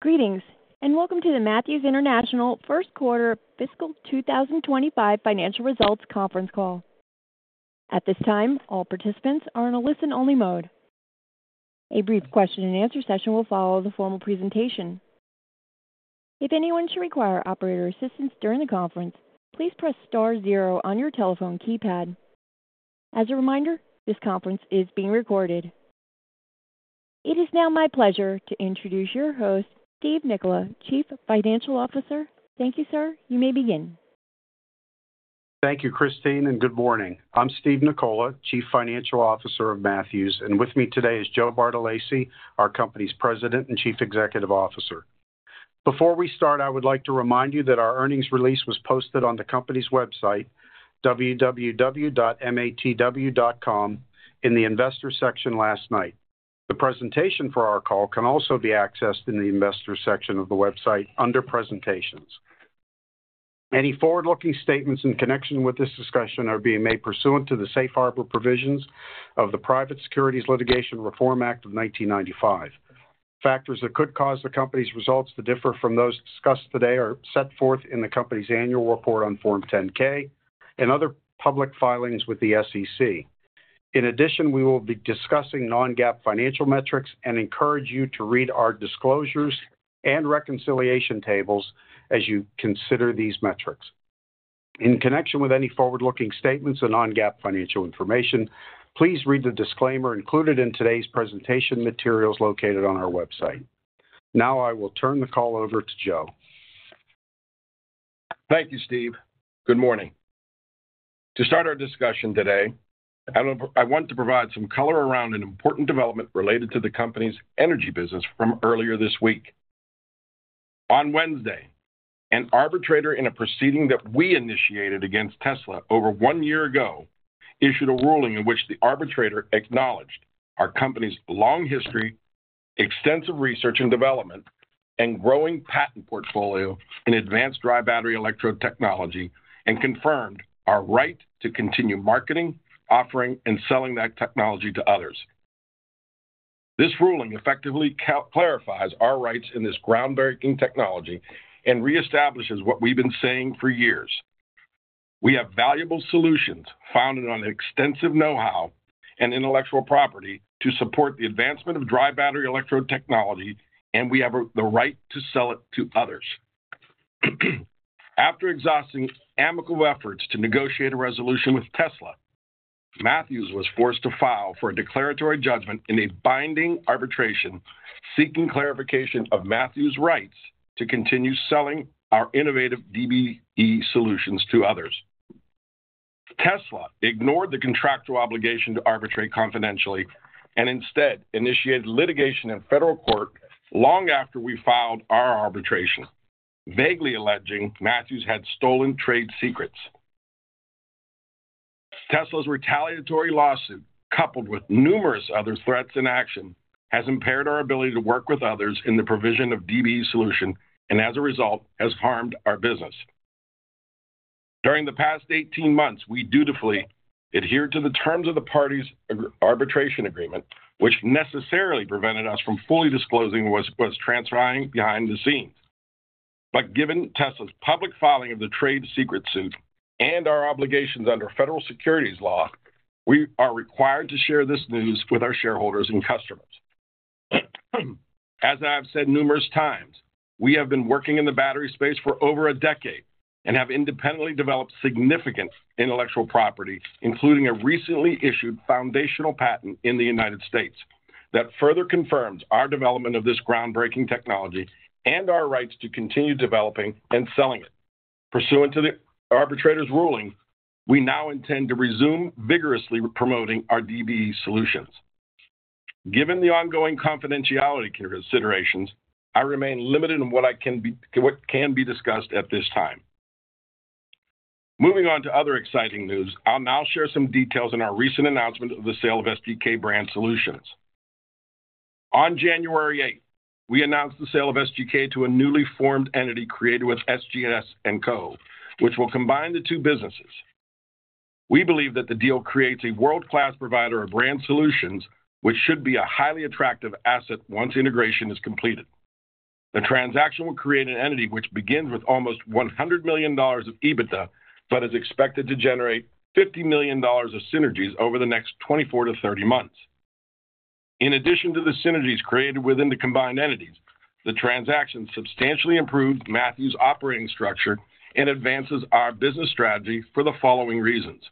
Greetings, and welcome to the Matthews International First Quarter Fiscal 2025 Financial Results Conference Call. At this time, all participants are in a listen-only mode. A brief -and-answer session will follow the formal presentation. If anyone should require operator assistance during the conference, please press star zero on your telephone keypad. As a reminder, this conference is being recorded. It is now my pleasure to introduce your host, Steven Nicola, Chief Financial Officer. Thank you, sir. You may begin. Thank you, Christine, and good morning. I'm Steve Nicola, Chief Financial Officer of Matthews, and with me today is Joe Bartolacci, our company's President and Chief Executive Officer. Before we start, I would like to remind you that our earnings release was posted on the company's website, www.matw.com, in the investor section last night. The presentation for our call can also be accessed in the investor section of the website under presentations. Any forward-looking statements in connection with this discussion are being made pursuant to the safe harbor provisions of the Private Securities Litigation Reform Act of 1995. Factors that could cause the company's results to differ from those discussed today are set forth in the company's annual report on Form 10-K and other public filings with the SEC. In addition, we will be discussing non-GAAP financial metrics and encourage you to read our disclosures and reconciliation tables as you consider these metrics. In connection with any forward-looking statements and non-GAAP financial information, please read the disclaimer included in today's presentation materials located on our website. Now I will turn the call over to Joe. Thank you, Steven. Good morning. To start our discussion today, I want to provide some color around an important development related to the company's energy business from earlier this week. On Wednesday, an arbitrator in a proceeding that we initiated against Tesla over one year ago issued a ruling in which the arbitrator acknowledged our company's long history, extensive research and development, and growing patent portfolio in advanced dry battery electrode technology, and confirmed our right to continue marketing, offering, and selling that technology to others. This ruling effectively clarifies our rights in this groundbreaking technology and reestablishes what we've been saying for years. We have valuable solutions founded on extensive know-how and intellectual property to support the advancement of dry battery electrode technology, and we have the right to sell it to others. After exhausting amicable efforts to negotiate a resolution with Tesla, Matthews was forced to file for a declaratory judgment in a binding arbitration seeking clarification of Matthews' rights to continue selling our innovative DBE solutions to others. Tesla ignored the contractual obligation to arbitrate confidentially and instead initiated litigation in federal court long after we filed our arbitration, vaguely alleging Matthews had stolen trade secrets. Tesla's retaliatory lawsuit, coupled with numerous other threats in action, has impaired our ability to work with others in the provision of DBE solution and, as a result, has harmed our business. During the past 18 months, we dutifully adhered to the terms of the parties' arbitration agreement, which necessarily prevented us from fully disclosing what was transpiring behind the scenes. But given Tesla's public filing of the trade secret suit and our obligations under federal securities law, we are required to share this news with our shareholders and customers. As I have said numerous times, we have been working in the battery space for over a decade and have independently developed significant intellectual property, including a recently issued foundational patent in the United States that further confirms our development of this groundbreaking technology and our rights to continue developing and selling it. Pursuant to the arbitrator's ruling, we now intend to resume vigorously promoting our DBE solutions. Given the ongoing confidentiality considerations, I remain limited in what can be discussed at this time. Moving on to other exciting news, I'll now share some details in our recent announcement of the sale of SGK Brand Solutions. On January 8, we announced the sale of SGK to a newly formed entity created with SGS & Co., which will combine the two businesses. We believe that the deal creates a world-class provider of brand solutions, which should be a highly attractive asset once integration is completed. The transaction will create an entity which begins with almost $100 million of EBITDA but is expected to generate $50 million of synergies over the next 24-30 months. In addition to the synergies created within the combined entities, the transaction substantially improves Matthews' operating structure and advances our business strategy for the following reasons: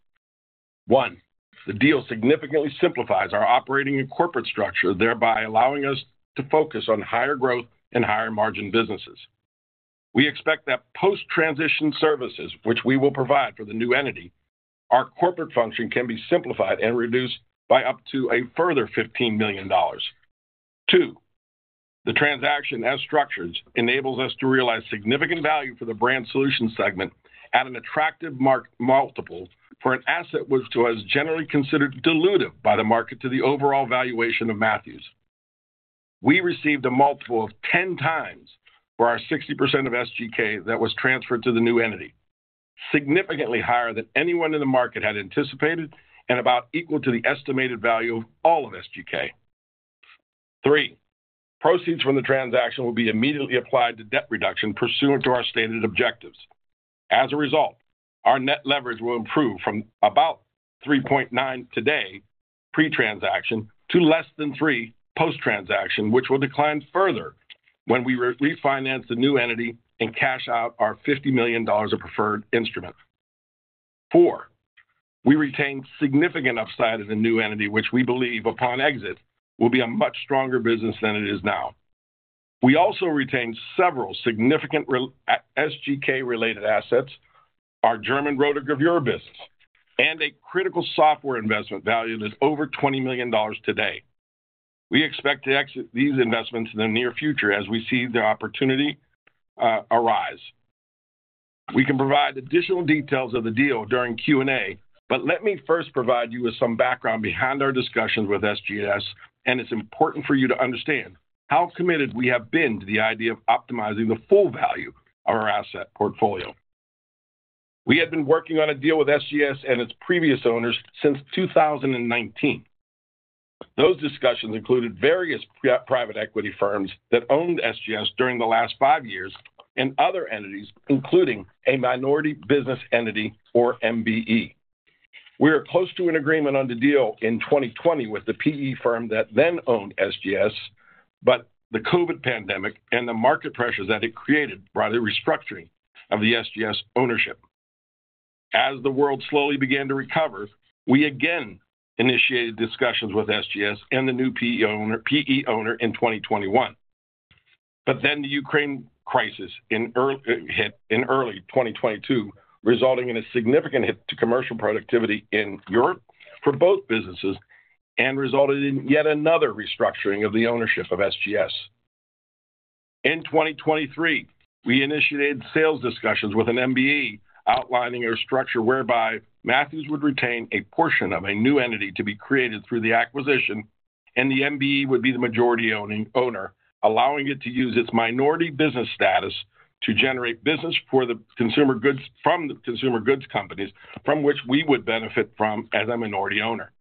One, the deal significantly simplifies our operating and corporate structure, thereby allowing us to focus on higher growth and higher margin businesses. We expect that post-transition services, which we will provide for the new entity, our corporate function can be simplified and reduced by up to a further $15 million. Two, the transaction as structured enables us to realize significant value for the brand solution segment at an attractive market multiple for an asset that was generally considered dilutive by the market to the overall valuation of Matthews. We received a multiple of 10 times for our 60% of SGK that was transferred to the new entity, significantly higher than anyone in the market had anticipated and about equal to the estimated value of all of SGK. Three, proceeds from the transaction will be immediately applied to debt reduction pursuant to our stated objectives. As a result, our net leverage will improve from about 3.9 today, pre-transaction, to less than 3 post-transaction, which will decline further when we refinance the new entity and cash out our $50 million of preferred instrument. Four, we retain significant upside in the new entity, which we believe upon exit will be a much stronger business than it is now. We also retain several significant SGK-related assets, our German rotogravure business, and a critical software investment valued at over $20 million today. We expect to exit these investments in the near future as we see the opportunity arise. We can provide additional details of the deal during Q&A, but let me first provide you with some background behind our discussions with SGS and it's important for you to understand how committed we have been to the idea of optimizing the full value of our asset portfolio. We had been working on a deal with SGS and its previous owners since 2019. Those discussions included various private equity firms that owned SGS during the last five years and other entities, including a minority business entity or MBE. We were close to an agreement on the deal in 2020 with the PE firm that then owned SGS, but the COVID pandemic and the market pressures that it created brought a restructuring of the SGS ownership. As the world slowly began to recover, we again initiated discussions with SGS and the new PE owner in 2021. But then the Ukraine crisis hit in early 2022, resulting in a significant hit to commercial productivity in Europe for both businesses and resulted in yet another restructuring of the ownership of SGS. In 2023, we initiated sales discussions with an MBE outlining our structure whereby Matthews would retain a portion of a new entity to be created through the acquisition, and the MBE would be the majority owner, allowing it to use its minority business status to generate business from the consumer goods companies from which we would benefit from as a minority owner.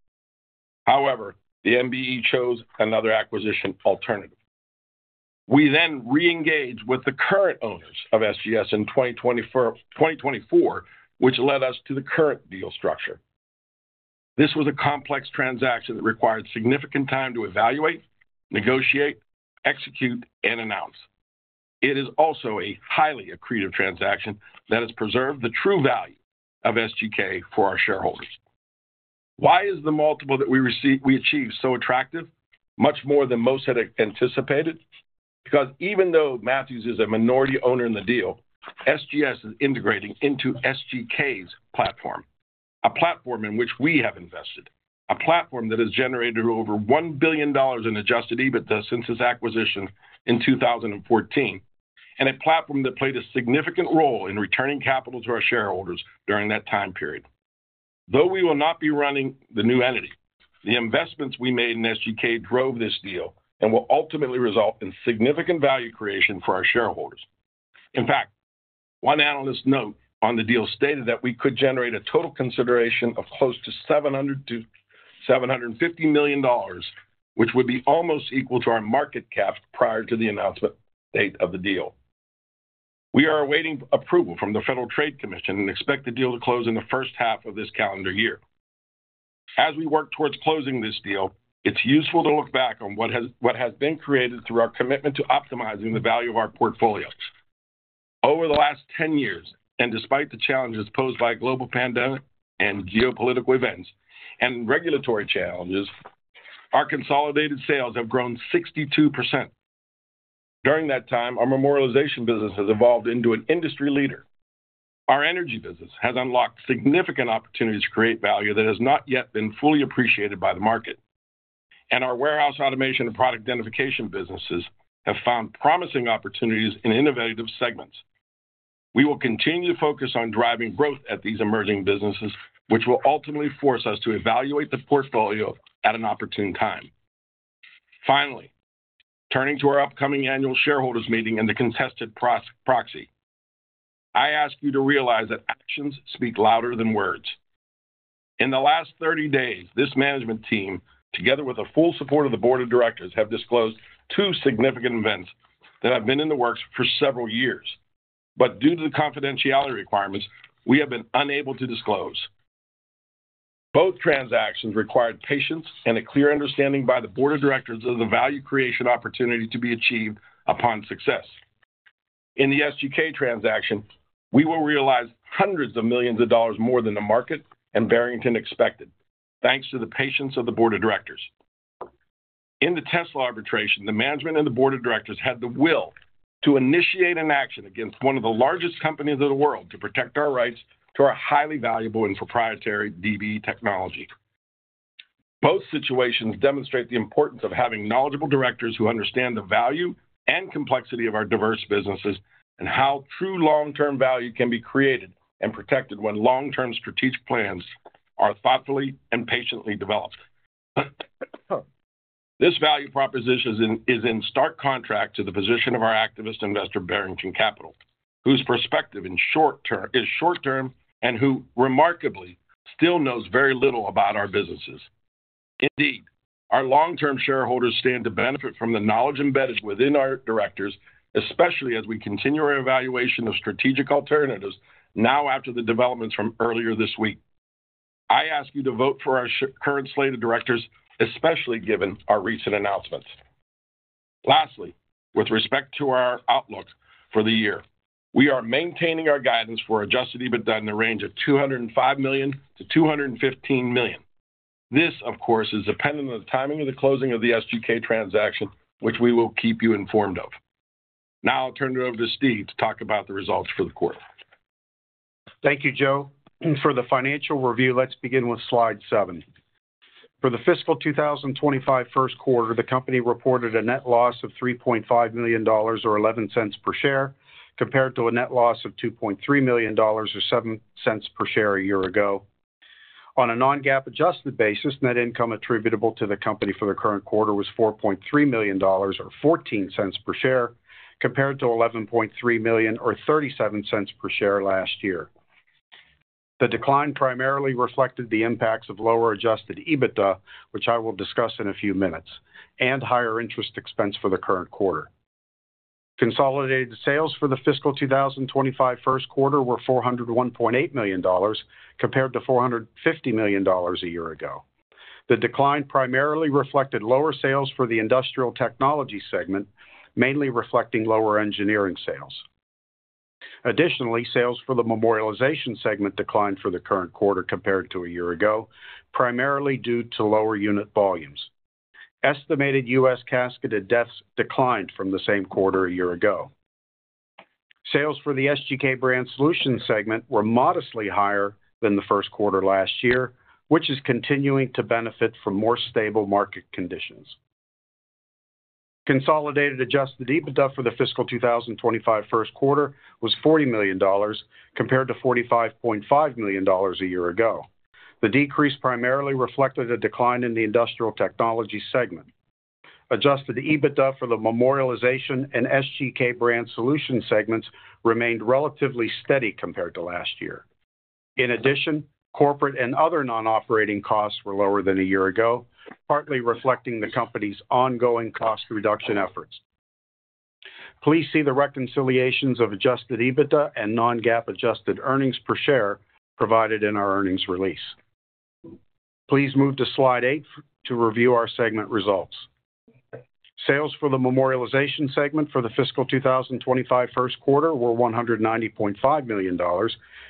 However, the MBE chose another acquisition alternative. We then re-engaged with the current owners of SGS in 2024, which led us to the current deal structure. This was a complex transaction that required significant time to evaluate, negotiate, execute, and announce. It is also a highly accretive transaction that has preserved the true value of SGK for our shareholders. Why is the multiple that we achieved so attractive, much more than most had anticipated? Because even though Matthews is a minority owner in the deal, SGS is integrating into SGK's platform, a platform in which we have invested, a platform that has generated over $1 billion in Adjusted EBITDA since its acquisition in 2014, and a platform that played a significant role in returning capital to our shareholders during that time period. Though we will not be running the new entity, the investments we made in SGK drove this deal and will ultimately result in significant value creation for our shareholders. In fact, one analyst's note on the deal stated that we could generate a total consideration of close to $750 million, which would be almost equal to our market cap prior to the announcement date of the deal. We are awaiting approval from the Federal Trade Commission and expect the deal to close in the first half of this calendar year. As we work towards closing this deal, it's useful to look back on what has been created through our commitment to optimizing the value of our portfolio. Over the last 10 years, and despite the challenges posed by a global pandemic and geopolitical events and regulatory challenges, our consolidated sales have grown 62%. During that time, our memorialization business has evolved into an industry leader. Our energy business has unlocked significant opportunities to create value that has not yet been fully appreciated by the market, and our warehouse automation and product identification businesses have found promising opportunities in innovative segments. We will continue to focus on driving growth at these emerging businesses, which will ultimately force us to evaluate the portfolio at an opportune time. Finally, turning to our upcoming annual shareholders meeting and the contested proxy, I ask you to realize that actions speak louder than words. In the last 30 days, this management team, together with the full support of the board of directors, have disclosed two significant events that have been in the works for several years, but due to the confidentiality requirements, we have been unable to disclose. Both transactions required patience and a clear understanding by the board of directors of the value creation opportunity to be achieved upon success. In the SGK transaction, we will realize hundreds of millions of dollars more than the market and Barington expected, thanks to the patience of the board of directors. In the Tesla arbitration, the management and the board of directors had the will to initiate an action against one of the largest companies in the world to protect our rights to our highly valuable and proprietary DBE technology. Both situations demonstrate the importance of having knowledgeable directors who understand the value and complexity of our diverse businesses and how true long-term value can be created and protected when long-term strategic plans are thoughtfully and patiently developed. This value proposition is in stark contrast to the position of our activist investor, Barington Capital, whose perspective is short-term and who remarkably still knows very little about our businesses. Indeed, our long-term shareholders stand to benefit from the knowledge embedded within our directors, especially as we continue our evaluation of strategic alternatives now after the developments from earlier this week. I ask you to vote for our current slate of directors, especially given our recent announcements. Lastly, with respect to our outlook for the year, we are maintaining our guidance for Adjusted EBITDA in the range of $205 million-$215 million. This, of course, is dependent on the timing of the closing of the SGK transaction, which we will keep you informed of. Now I'll turn it over to Steven to talk about the results for the quarter. Thank you, Joe. For the financial review, let's begin with slide seven. For the fiscal 2025 first quarter, the company reported a net loss of $3.5 million or $0.11 per share compared to a net loss of $2.3 million or $0.07 per share a year ago. On a non-GAAP adjusted basis, net income attributable to the company for the current quarter was $4.3 million or $0.14 per share compared to $11.3 million or $0.37 per share last year. The decline primarily reflected the impacts of lower adjusted EBITDA, which I will discuss in a few minutes, and higher interest expense for the current quarter. Consolidated sales for the fiscal 2025 first quarter were $401.8 million compared to $450 million a year ago. The decline primarily reflected lower sales for the Industrial Technologies segment, mainly reflecting lower engineering sales. Additionally, sales for the memorialization segment declined for the current quarter compared to a year ago, primarily due to lower unit volumes. Estimated U.S. casketed deaths declined from the same quarter a year ago. Sales for the SGK Brand Solutions segment were modestly higher than the first quarter last year, which is continuing to benefit from more stable market conditions. Consolidated Adjusted EBITDA for the fiscal 2025 first quarter was $40 million compared to $45.5 million a year ago. The decrease primarily reflected a decline in the Industrial Technologies segment. Adjusted EBITDA for the memorialization and SGK Brand Solutions segments remained relatively steady compared to last year. In addition, corporate and other non-operating costs were lower than a year ago, partly reflecting the company's ongoing cost reduction efforts. Please see the reconciliations of Adjusted EBITDA and non-GAAP adjusted earnings per share provided in our earnings release. Please move to slide eight to review our segment results. Sales for the memorialization segment for the fiscal 2025 first quarter were $190.5 million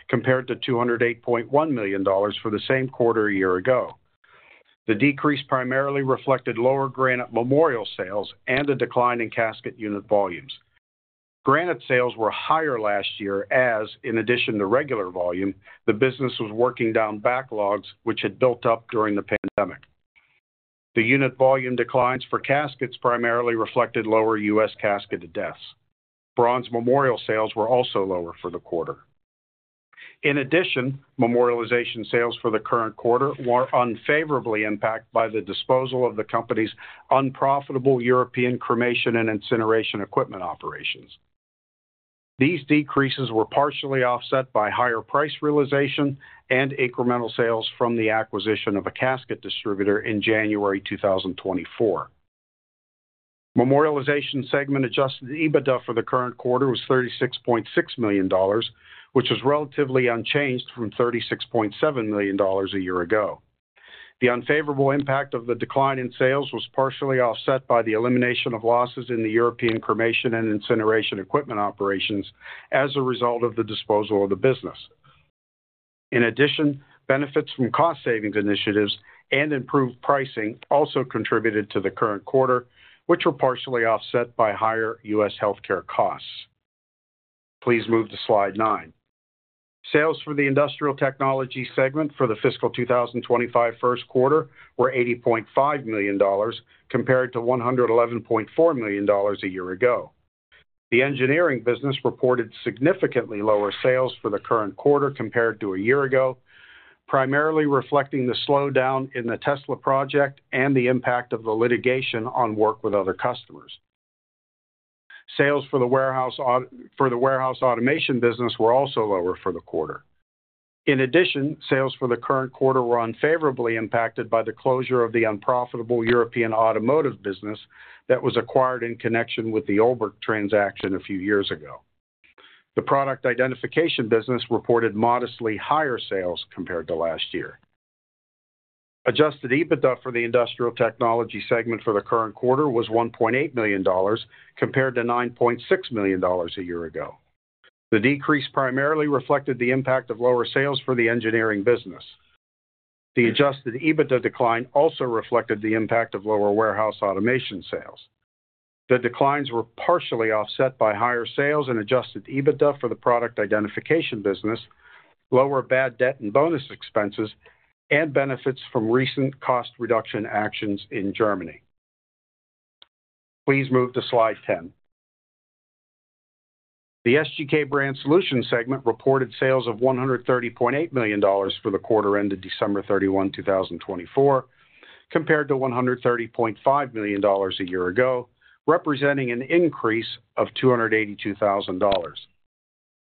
compared to $208.1 million for the same quarter a year ago. The decrease primarily reflected lower granite memorial sales and a decline in casket unit volumes. Granite sales were higher last year as, in addition to regular volume, the business was working down backlogs which had built up during the pandemic. The unit volume declines for caskets primarily reflected lower U.S. casketed deaths. Bronze memorial sales were also lower for the quarter. In addition, memorialization sales for the current quarter were unfavorably impacted by the disposal of the company's unprofitable European cremation and incineration equipment operations. These decreases were partially offset by higher price realization and incremental sales from the acquisition of a casket distributor in January 2024. Memorialization segment Adjusted EBITDA for the current quarter was $36.6 million, which was relatively unchanged from $36.7 million a year ago. The unfavorable impact of the decline in sales was partially offset by the elimination of losses in the European cremation and incineration equipment operations as a result of the disposal of the business. In addition, benefits from cost savings initiatives and improved pricing also contributed to the current quarter, which were partially offset by higher U.S. healthcare costs. Please move to slide nine. Sales for the Industrial Technologies segment for the fiscal 2025 first quarter were $80.5 million compared to $111.4 million a year ago. The engineering business reported significantly lower sales for the current quarter compared to a year ago, primarily reflecting the slowdown in the Tesla project and the impact of the litigation on work with other customers. Sales for the warehouse automation business were also lower for the quarter. In addition, sales for the current quarter were unfavorably impacted by the closure of the unprofitable European automotive business that was acquired in connection with the Olbrich transaction a few years ago. The product identification business reported modestly higher sales compared to last year. Adjusted EBITDA for the Industrial Technologies segment for the current quarter was $1.8 million compared to $9.6 million a year ago. The decrease primarily reflected the impact of lower sales for the engineering business. The Adjusted EBITDA decline also reflected the impact of lower warehouse automation sales. The declines were partially offset by higher sales and Adjusted EBITDA for the product identification business, lower bad debt and bonus expenses, and benefits from recent cost reduction actions in Germany. Please move to slide 10. The SGK Brand Solutions segment reported sales of $130.8 million for the quarter ended December 31, 2024, compared to $130.5 million a year ago, representing an increase of $282,000.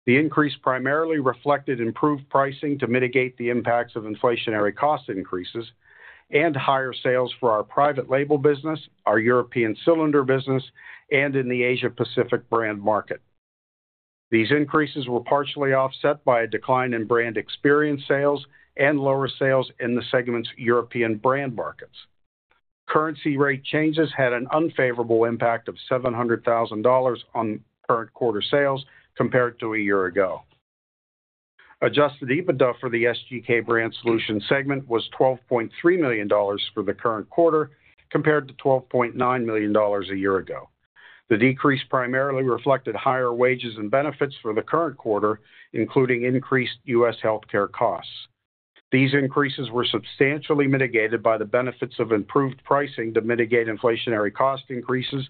The increase primarily reflected improved pricing to mitigate the impacts of inflationary cost increases and higher sales for our private label business, our European cylinder business, and in the Asia-Pacific brand market. These increases were partially offset by a decline in brand experience sales and lower sales in the segment's European brand markets. Currency rate changes had an unfavorable impact of $700,000 on current quarter sales compared to a year ago. Adjusted EBITDA for the SGK Brand Solutions segment was $12.3 million for the current quarter compared to $12.9 million a year ago. The decrease primarily reflected higher wages and benefits for the current quarter, including increased U.S. healthcare costs. These increases were substantially mitigated by the benefits of improved pricing to mitigate inflationary cost increases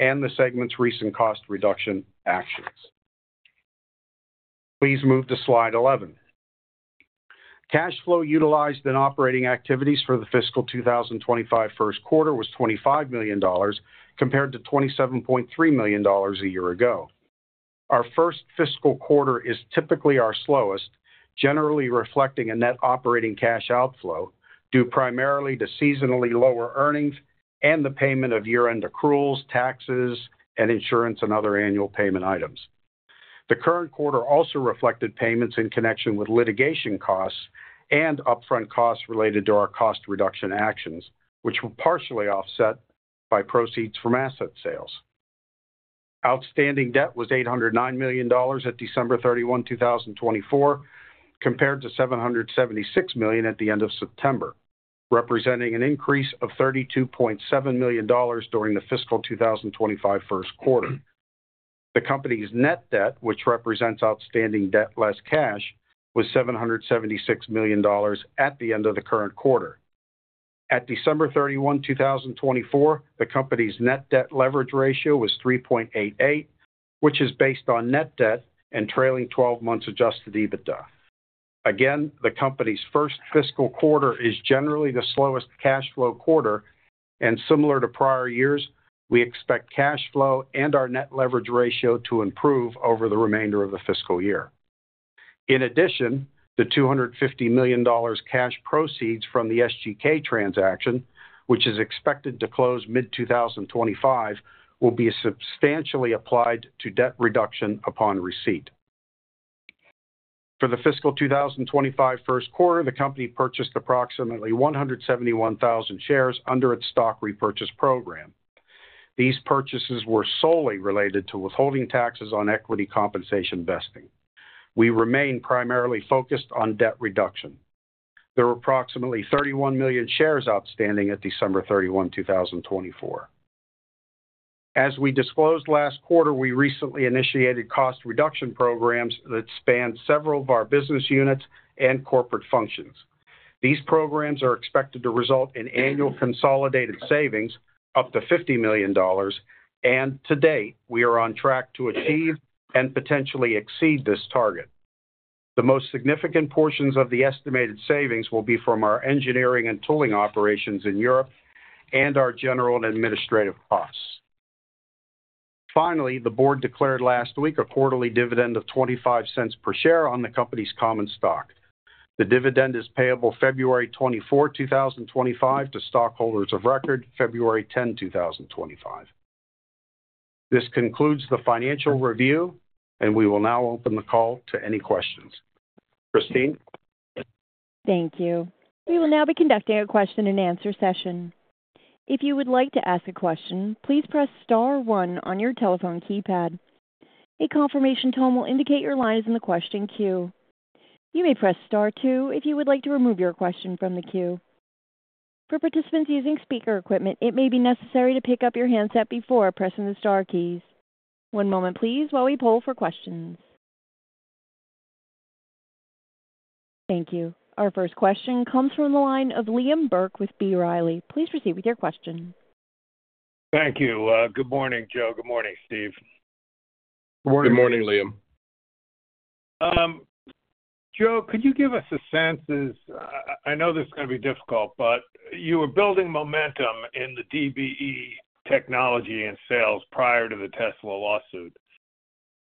and the segment's recent cost reduction actions. Please move to slide 11. Cash flow utilized in operating activities for the fiscal 2025 first quarter was $25 million compared to $27.3 million a year ago. Our first fiscal quarter is typically our slowest, generally reflecting a net operating cash outflow due primarily to seasonally lower earnings and the payment of year-end accruals, taxes, and insurance and other annual payment items. The current quarter also reflected payments in connection with litigation costs and upfront costs related to our cost reduction actions, which were partially offset by proceeds from asset sales. Outstanding debt was $809 million at December 31, 2024, compared to $776 million at the end of September, representing an increase of $32.7 million during the fiscal 2025 first quarter. The company's net debt, which represents outstanding debt less cash, was $776 million at the end of the current quarter. At December 31, 2024, the company's net debt leverage ratio was 3.88, which is based on net debt and trailing 12 months Adjusted EBITDA. Again, the company's first fiscal quarter is generally the slowest cash flow quarter, and similar to prior years, we expect cash flow and our net leverage ratio to improve over the remainder of the fiscal year. In addition, the $250 million cash proceeds from the SGK transaction, which is expected to close mid-2025, will be substantially applied to debt reduction upon receipt. For the fiscal 2025 first quarter, the company purchased approximately 171,000 shares under its stock repurchase program. These purchases were solely related to withholding taxes on equity compensation vesting. We remain primarily focused on debt reduction. There were approximately 31 million shares outstanding at December 31, 2024. As we disclosed last quarter, we recently initiated cost reduction programs that spanned several of our business units and corporate functions. These programs are expected to result in annual consolidated savings up to $50 million, and to date, we are on track to achieve and potentially exceed this target. The most significant portions of the estimated savings will be from our engineering and tooling operations in Europe and our general and administrative costs. Finally, the board declared last week a quarterly dividend of $0.25 per share on the company's common stock. The dividend is payable February 24, 2025, to stockholders of record February 10, 2025. This concludes the financial review, and we will now open the call to any questions. Christine. Thank you. We will now be conducting a question and answer session. If you would like to ask a question, please press star one on your telephone keypad. A confirmation tone will indicate your line is in the question queue. You may press star two if you would like to remove your question from the queue. For participants using speaker equipment, it may be necessary to pick up your handset before pressing the star keys. One moment, please, while we poll for questions. Thank you. Our first question comes from the line of Liam Burke with B. Riley. Please proceed with your question. Thank you. Good morning, Joe. Good morning, Steven. Good morning, Liam. Joe, could you give us a sense, as I know this is going to be difficult, but you were building momentum in the DBE technology and sales prior to the Tesla lawsuit.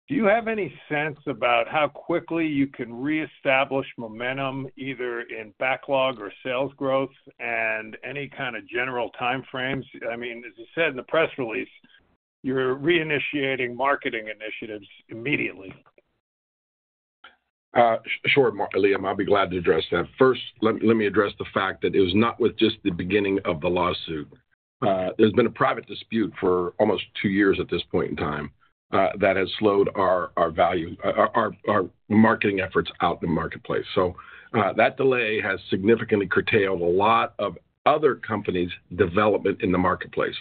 Do you have any sense about how quickly you can reestablish momentum either in backlog or sales growth and any kind of general time frames? I mean, as you said in the press release, you're reinitiating marketing initiatives immediately. Sure, Liam. I'll be glad to address that. First, let me address the fact that it was not with just the beginning of the lawsuit. There's been a private dispute for almost two years at this point in time that has slowed our marketing efforts out in the marketplace. That delay has significantly curtailed a lot of other companies' development in the marketplace.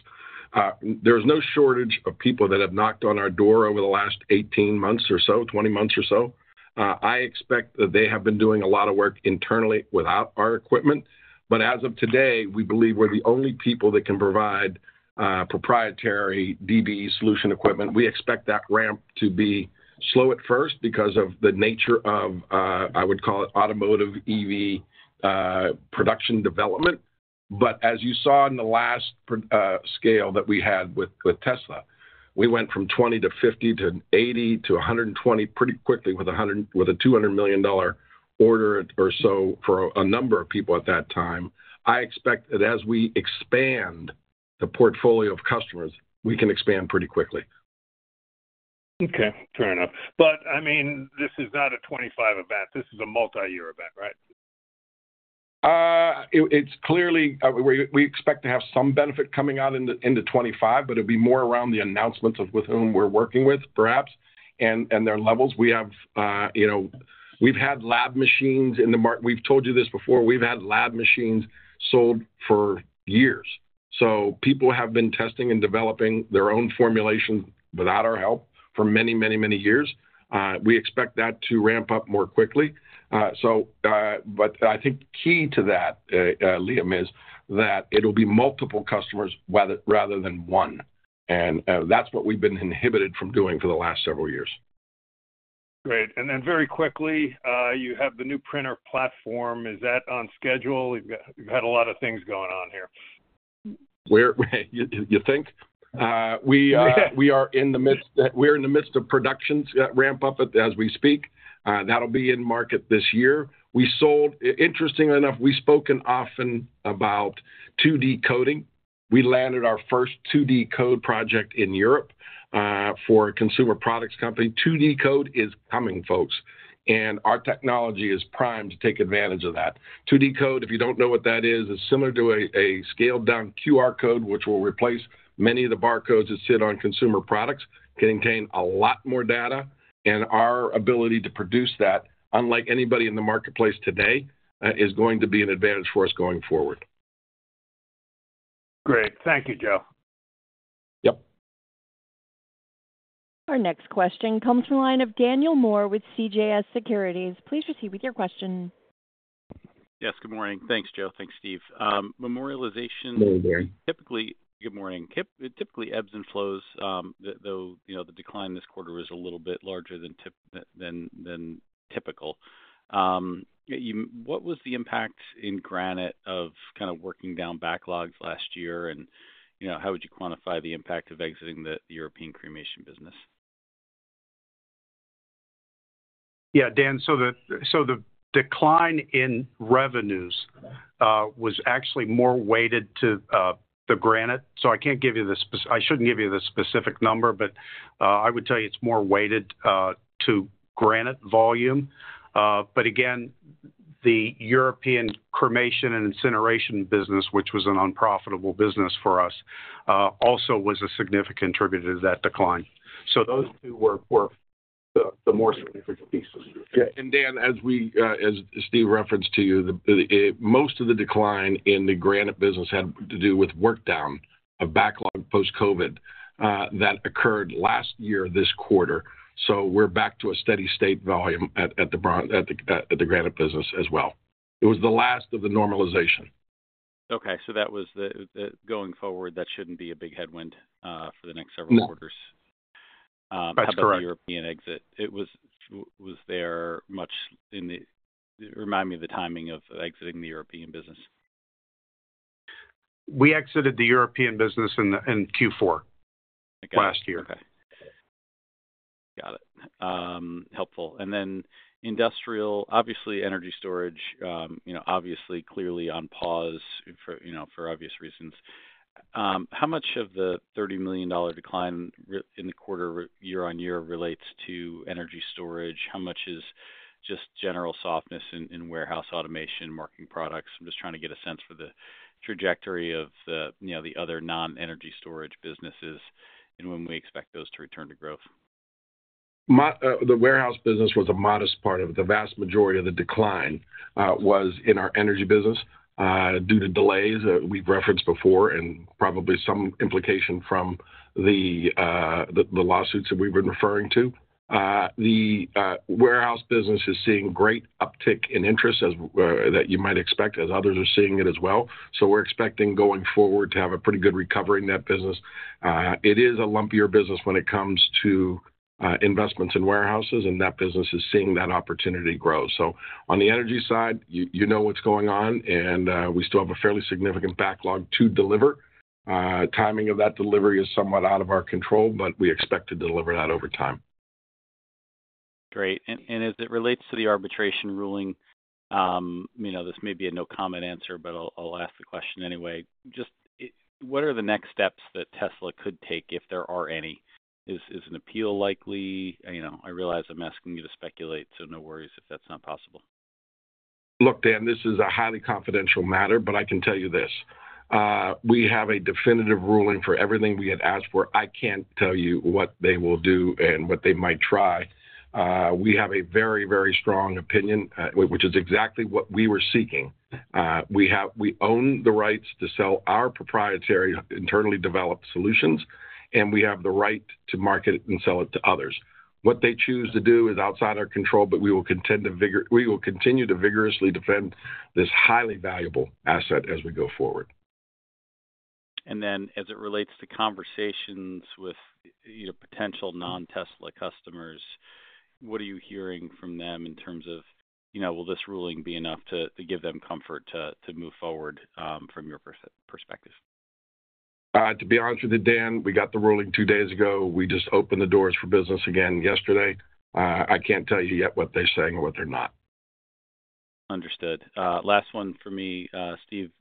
There is no shortage of people that have knocked on our door over the last 18 months or so, 20 months or so. I expect that they have been doing a lot of work internally without our equipment, but as of today, we believe we're the only people that can provide proprietary DBE solution equipment. We expect that ramp to be slow at first because of the nature of, I would call it, automotive EV production development. But as you saw in the last scale that we had with Tesla, we went from 20 to 50 to 80 to 120 pretty quickly with a $200 million order or so for a number of people at that time. I expect that as we expand the portfolio of customers, we can expand pretty quickly. Okay. Fair enough. But I mean, this is not a 2025 event. This is a multi-year event, right? We expect to have some benefit coming out into 2025, but it'll be more around the announcements of with whom we're working with, perhaps, and their levels. We've had lab machines in the market. We've told you this before. We've had lab machines sold for years. So people have been testing and developing their own formulations without our help for many, many, many years. We expect that to ramp up more quickly. But I think key to that, Liam, is that it'll be multiple customers rather than one. And that's what we've been inhibited from doing for the last several years. Great. And then very quickly, you have the new printer platform. Is that on schedule? You've had a lot of things going on here. You think? We are in the midst of production ramp-up as we speak. That'll be in market this year. Interestingly enough, we've spoken often about 2D coding. We landed our first 2D code project in Europe for a consumer products company. 2D code is coming, folks, and our technology is primed to take advantage of that. 2D code, if you don't know what that is, is similar to a scaled-down QR code, which will replace many of the barcodes that sit on consumer products. It can contain a lot more data, and our ability to produce that, unlike anybody in the marketplace today, is going to be an advantage for us going forward. Great. Thank you, Joe. Yep. Our next question comes from the line of Daniel Moore with CJS Securities. Please proceed with your question. Yes. Good morning. Thanks, Joe. Thanks, Steve. Memorialization typically Good morning. Typically, ebbs and flows, though the decline this quarter is a little bit larger than typical. What was the impact in Granite of kind of working down backlogs last year? And how would you quantify the impact of exiting the European cremation business? Yeah, Daniel, so the decline in revenues was actually more weighted to the Granite. So I can't give you the, I shouldn't give you the specific number, but I would tell you it's more weighted to Granite volume. But again, the European cremation and incineration business, which was an unprofitable business for us, also was a significant contributor to that decline. So those two were the more significant pieces. And Dan, as Steve referenced to you, most of the decline in the Granite business had to do with work down of backlog post-COVID that occurred last year this quarter. So we're back to a steady-state volume at the Granite business as well. It was the last of the normalization. Okay. So that was the going forward, that shouldn't be a big headwind for the next several quarters. That's correct. After the European exit. Was there much? Remind me of the timing of exiting the European business. We exited the European business in Q4 last year. Okay. Got it. Helpful. And then industrial, obviously, energy storage, obviously, clearly on pause for obvious reasons. How much of the $30 million decline in the quarter year-on-year relates to energy storage? How much is just general softness in warehouse automation, marking products? I'm just trying to get a sense for the trajectory of the other non-energy storage businesses and when we expect those to return to growth. The warehouse business was a modest part of it. The vast majority of the decline was in our energy business due to delays that we've referenced before and probably some implication from the lawsuits that we've been referring to. The warehouse business is seeing great uptick in interest, as you might expect, as others are seeing it as well. We're expecting going forward to have a pretty good recovery in that business. It is a lumpier business when it comes to investments in warehouses, and that business is seeing that opportunity grow. On the energy side, you know what's going on, and we still have a fairly significant backlog to deliver. Timing of that delivery is somewhat out of our control, but we expect to deliver that over time. Great. As it relates to the arbitration ruling, this may be a no-comment answer, but I'll ask the question anyway. Just what are the next steps that Tesla could take, if there are any? Is an appeal likely? I realize I'm asking you to speculate, so no worries if that's not possible. Look, Daniel, this is a highly confidential matter, but I can tell you this. We have a definitive ruling for everything we had asked for. I can't tell you what they will do and what they might try. We have a very, very strong opinion, which is exactly what we were seeking. We own the rights to sell our proprietary internally developed solutions, and we have the right to market it and sell it to others. What they choose to do is outside our control, but we will continue to vigorously defend this highly valuable asset as we go forward. And then as it relates to conversations with potential non-Tesla customers, what are you hearing from them in terms of will this ruling be enough to give them comfort to move forward from your perspective? To be honest with you, Daniel, we got the ruling two days ago. We just opened the doors for business again yesterday. I can't tell you yet what they're saying or what they're not. Understood. Last one for me, Steven.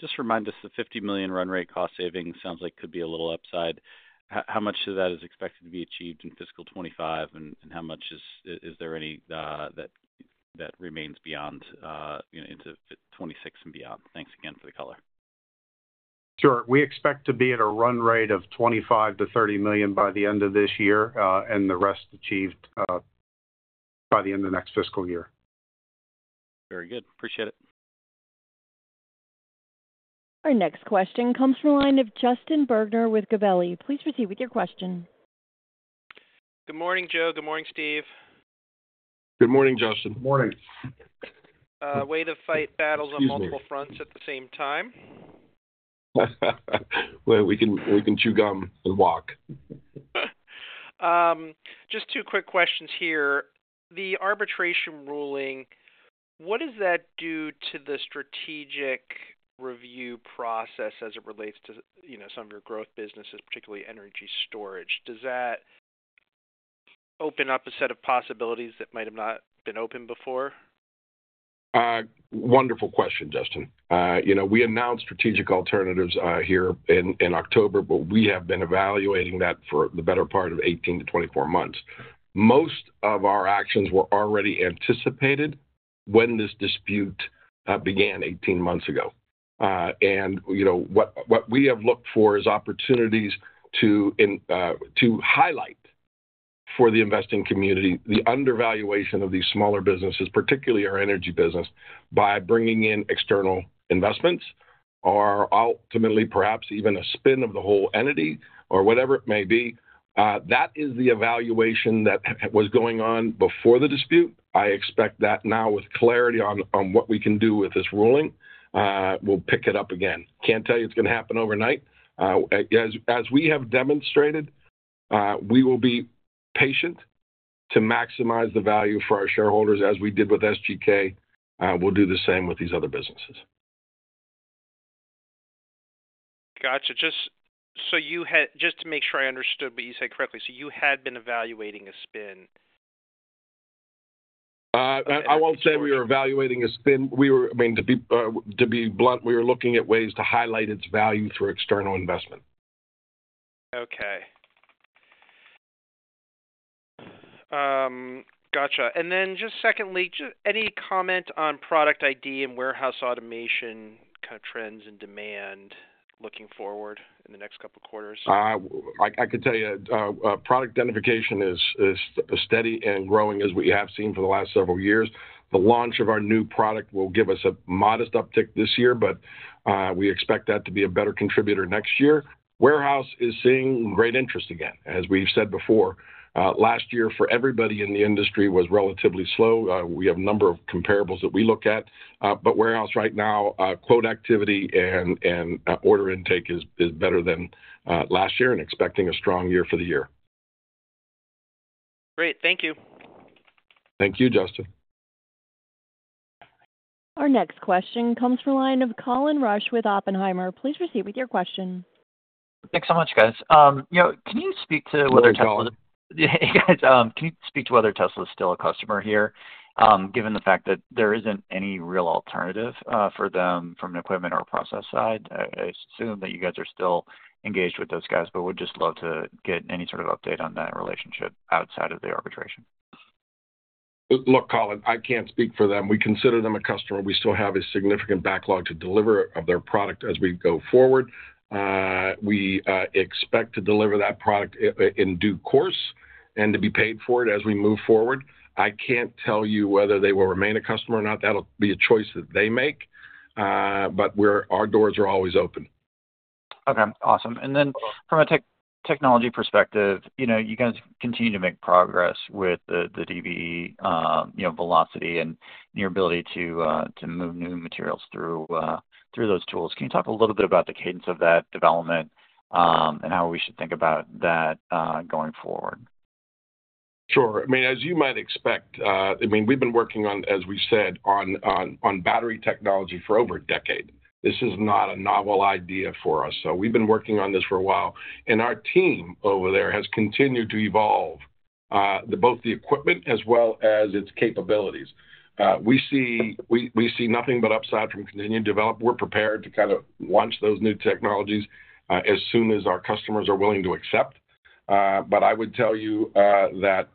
Just remind us the $50 million run rate cost savings sounds like could be a little upside. How much of that is expected to be achieved in fiscal 2025, and how much is there any that remains beyond into 2026 and beyond? Thanks again for the color. Sure. We expect to be at a run rate of $25-$30 million by the end of this year and the rest achieved by the end of next fiscal year. Very good. Appreciate it. Our next question comes from the line of Justin Bergner with Gabelli Funds. Please proceed with your question. Good morning, Joe. Good morning, Steven. Good morning, Justin. Good morning. Way to fight battles on multiple fronts at the same time. We can chew gum and walk. Just two quick questions here. The arbitration ruling, what does that do to the strategic review process as it relates to some of your growth businesses, particularly energy storage? Does that open up a set of possibilities that might have not been open before? Wonderful question, Justin. We announced strategic alternatives here in October, but we have been evaluating that for the better part of 18 to 24 months. Most of our actions were already anticipated when this dispute began 18 months ago. And what we have looked for is opportunities to highlight for the investing community the undervaluation of these smaller businesses, particularly our energy business, by bringing in external investments or ultimately, perhaps even a spin of the whole entity or whatever it may be. That is the evaluation that was going on before the dispute. I expect that now with clarity on what we can do with this ruling, we'll pick it up again. Can't tell you it's going to happen overnight. As we have demonstrated, we will be patient to maximize the value for our shareholders as we did with SGK. We'll do the same with these other businesses. Gotcha. So just to make sure I understood what you said correctly, so you had been evaluating a spin. I won't say we were evaluating a spin. I mean, to be blunt, we were looking at ways to highlight its value through external investment. Okay. Gotcha. And then just secondly, any comment on product ID and warehouse automation kind of trends and demand looking forward in the next couple of quarters? I could tell you product identification is steady and growing as we have seen for the last several years. The launch of our new product will give us a modest uptick this year, but we expect that to be a better contributor next year. Warehouse is seeing great interest again, as we've said before. Last year, for everybody in the industry, was relatively slow. We have a number of comparable that we look at, but warehouse right now, quote activity and order intake is better than last year and expecting a strong year for the year. Great. Thank you. Thank you, Justin. Our next question comes from the line of Colin Rusch with Oppenheimer. Please proceed with your question. Thanks so much, guys. Can you speak to whether Tesla is still a customer here, given the fact that there isn't any real alternative for them from an equipment or process side? I assume that you guys are still engaged with those guys, but would just love to get any sort of update on that relationship outside of the arbitration. Look, Colin, I can't speak for them. We consider them a customer. We still have a significant backlog to deliver of their product as we go forward. We expect to deliver that product in due course and to be paid for it as we move forward. I can't tell you whether they will remain a customer or not. That'll be a choice that they make, but our doors are always open. Okay. Awesome. And then from a technology perspective, you guys continue to make progress with the DBE velocity and your ability to move new materials through those tools. Can you talk a little bit about the cadence of that development and how we should think about that going forward? Sure. I mean, as you might expect, I mean, we've been working on, as we said, on battery technology for over a decade. This is not a novel idea for us. So we've been working on this for a while. And our team over there has continued to evolve both the equipment as well as its capabilities. We see nothing but upside from continuing to develop. We're prepared to kind of launch those new technologies as soon as our customers are willing to accept. But I would tell you that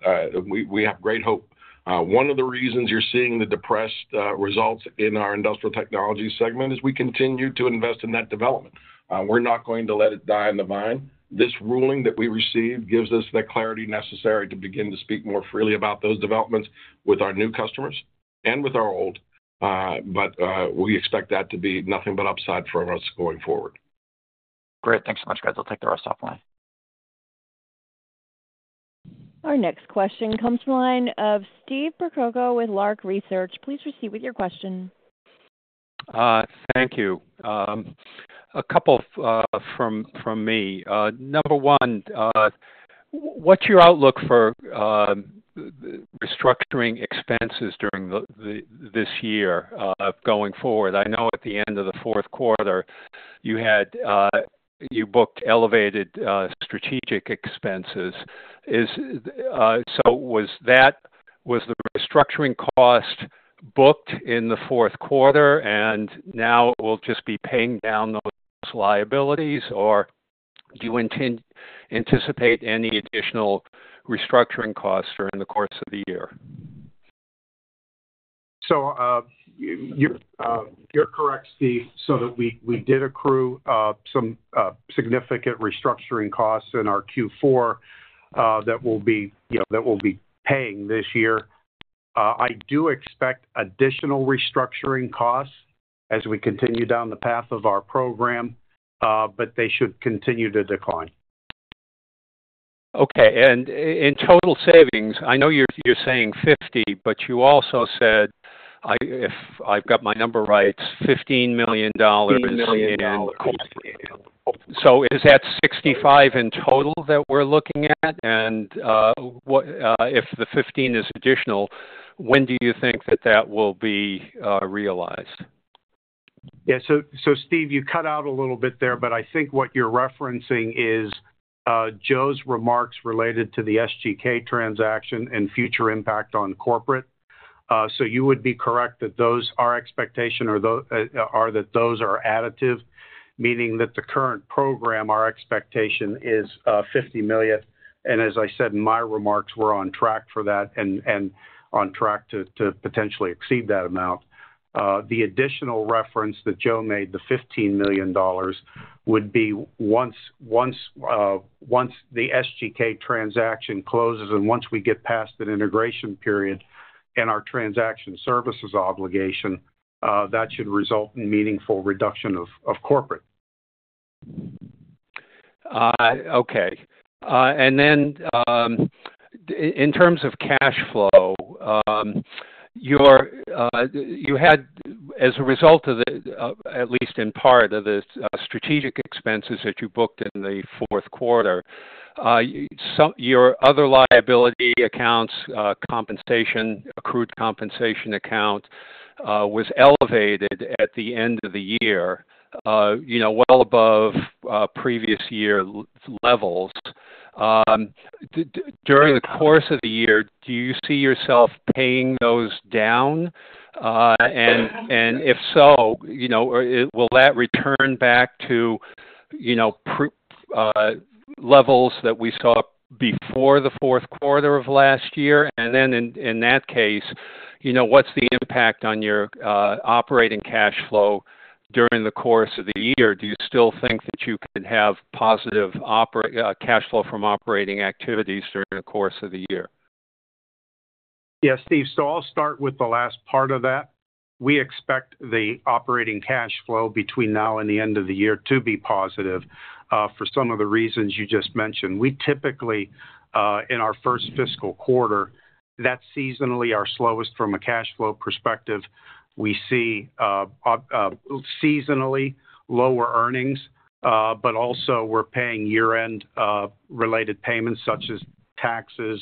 we have great hope. One of the reasons you're seeing the depressed results in our Industrial Technologies segment is we continue to invest in that development. We're not going to let it die on the vine. This ruling that we received gives us the clarity necessary to begin to speak more freely about those developments with our new customers and with our old. But we expect that to be nothing but upside for us going forward. Great. Thanks so much, guys. I'll take the rest offline. Our next question comes from the line of Stephen Percoco with Lark Research. Please proceed with your question. Thank you. A couple from me. Number one, what's your outlook for restructuring expenses during this year going forward? I know at the end of the fourth quarter, you booked elevated strategic expenses. So was the restructuring cost booked in the fourth quarter, and now we'll just be paying down those liabilities, or do you anticipate any additional restructuring costs during the course of the year? So you're correct, Stephen. So we did accrue some significant restructuring costs in our Q4 that we'll be paying this year. I do expect additional restructuring costs as we continue down the path of our program, but they should continue to decline. Okay. And in total savings, I know you're saying 50, but you also said, if I've got my number right, $15 million in cost savings. So is that 65 in total that we're looking at? And if the 15 is additional, when do you think that that will be realized? Yeah. Stephen, you cut out a little bit there, but I think what you're referencing is Joe's remarks related to the SGK transaction and future impact on corporate. You would be correct that those are expectations or that those are additive, meaning that the current program, our expectation is $50 million. And as I said in my remarks, we're on track for that and on track to potentially exceed that amount. The additional reference that Joe made, the $15 million, would be once the SGK transaction closes and once we get past an integration period and our transaction services obligation, that should result in meaningful reduction of corporate. Okay. And then in terms of cash flow, as a result of, at least in part, of the strategic expenses that you booked in the fourth quarter, your other liability accounts, accrued compensation account, was elevated at the end of the year, well above previous year levels. During the course of the year, do you see yourself paying those down? And if so, will that return back to levels that we saw before the fourth quarter of last year? And then in that case, what's the impact on your operating cash flow during the course of the year? Do you still think that you could have positive cash flow from operating activities during the course of the year? Yeah, Stephen. So I'll start with the last part of that. We expect the operating cash flow between now and the end of the year to be positive for some of the reasons you just mentioned. We typically, in our first fiscal quarter, that's seasonally our slowest from a cash flow perspective. We see seasonally lower earnings, but also we're paying year-end related payments such as taxes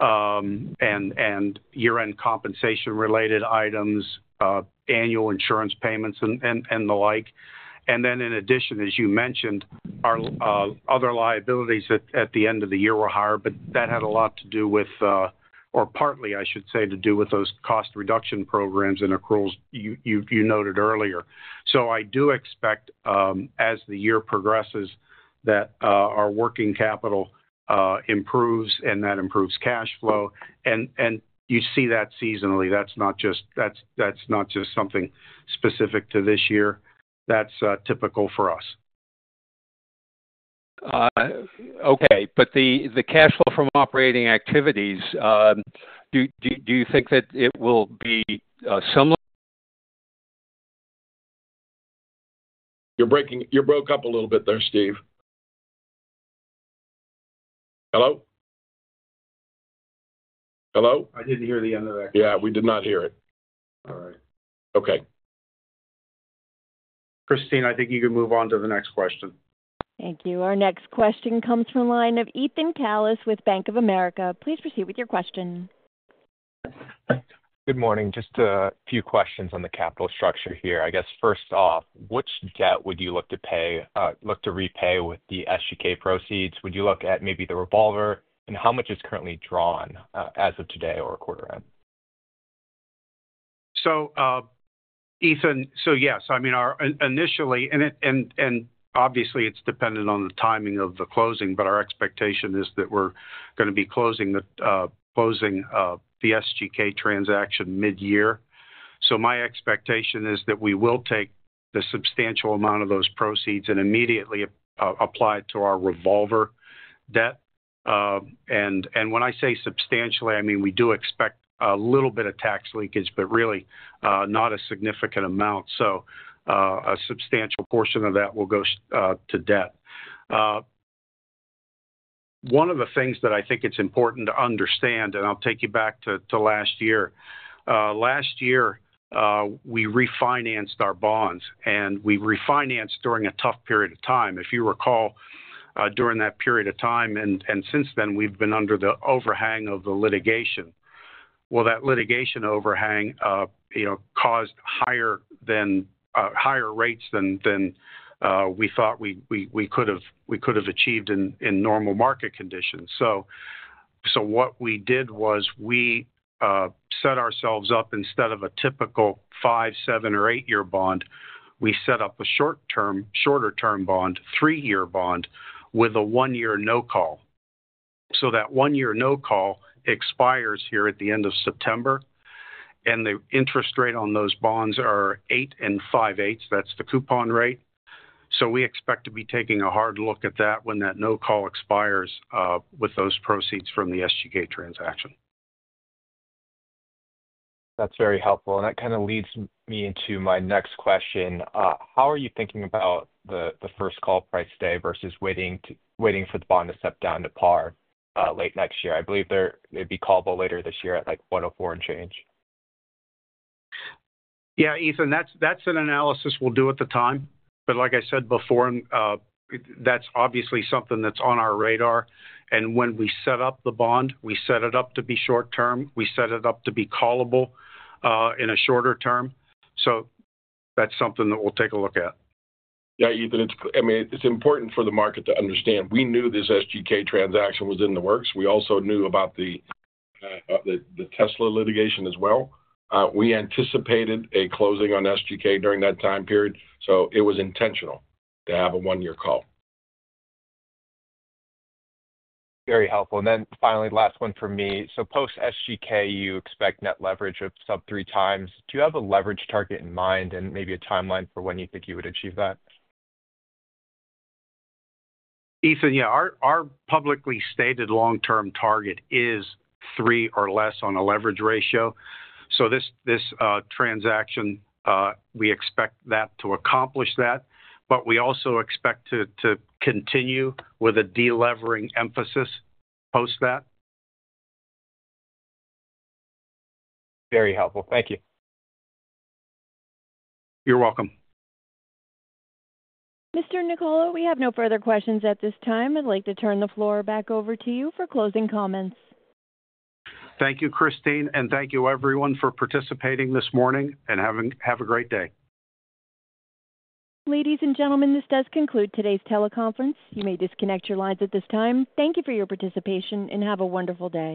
and year-end compensation-related items, annual insurance payments, and the like. And then in addition, as you mentioned, our other liabilities at the end of the year were higher, but that had a lot to do with, or partly, I should say, to do with those cost reduction programs and accruals you noted earlier. So I do expect, as the year progresses, that our working capital improves and that improves cash flow. And you see that seasonally. That's not just something specific to this year. That's typical for us. Okay. But the cash flow from operating activities, do you think that it will be similar? You broke up a little bit there, Stephen Hello? Hello? I didn't hear the end of that question. Yeah, we did not hear it. All right. Okay. Christine, I think you can move on to the next question. Thank you. Our next question comes from the line of Ethan Kalis with Bank of America. Please proceed with your question. Good morning. Just a few questions on the capital structure here. I guess first off, which debt would you look to repay with the SGK proceeds? Would you look at maybe the revolver, and how much is currently drawn as of today or quarter end? So Ethan, so yes. I mean, initially, and obviously, it's dependent on the timing of the closing, but our expectation is that we're going to be closing the SGK transaction mid-year. So my expectation is that we will take the substantial amount of those proceeds and immediately apply it to our revolver debt. And when I say substantially, I mean we do expect a little bit of tax leakage, but really not a significant amount. So a substantial portion of that will go to debt. One of the things that I think it's important to understand, and I'll take you back to last year. Last year, we refinanced our bonds, and we refinanced during a tough period of time. If you recall, during that period of time and since then, we've been under the overhang of the litigation. Well, that litigation overhang caused higher rates than we thought we could have achieved in normal market conditions. So what we did was we set ourselves up instead of a typical five, seven, or eight-year bond. We set up a shorter-term bond, three-year bond, with a one-year no-call. So that one-year no-call expires here at the end of September, and the interest rate on those bonds are eight and five-eighths. That's the coupon rate. So we expect to be taking a hard look at that when that no-call expires with those proceeds from the SGK transaction. That's very helpful. And that kind of leads me into my next question. How are you thinking about the first call price day versus waiting for the bond to step down to par late next year? I believe it'd be callable later this year at like 104 and change. Yeah, Ethan, that's an analysis we'll do at the time. But like I said before, that's obviously something that's on our radar. And when we set up the bond, we set it up to be short-term. We set it up to be callable in a shorter term. So that's something that we'll take a look at. Yeah, Ethan, I mean, it's important for the market to understand. We knew this SGK transaction was in the works. We also knew about the Tesla litigation as well. We anticipated a closing on SGK during that time period. So it was intentional to have a one-yea r call. Very helpful. And then finally, last one for me. So post-SGK, you expect net leverage of sub three times. Do you have a leverage target in mind and maybe a timeline for when you think you would achieve that? Ethan, yeah, our publicly stated long-term target is three or less on a leverage ratio. So this transaction, we expect that to accomplish that. But we also expect to continue with a delevering emphasis post that. Very helpful. Thank you. You're welcome. Mr. Nicola, we have no further questions at this time. I'd like to turn the floor back over to you for closing comments. Thank you, Christine. And thank you, everyone, for participating this morning and have a great day. Ladies and gentlemen, this does conclude today's teleconference. You may disconnect your lines at this time. Thank you for your participation and have a wonderful day.